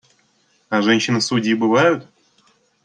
А женщины-судьи бывают?